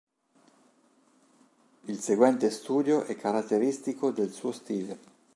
Il seguente studio è caratteristico del suo stile.